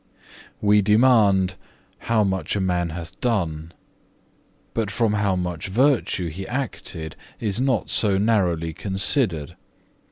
5. We demand, how much a man hath done; but from how much virtue he acted, is not so narrowly considered.